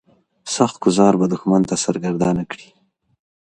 سخت ګوزار به دښمن سرګردانه کړي.